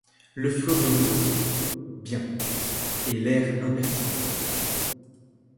Le flot de rubans. — Bien. — Et l’air impertinent.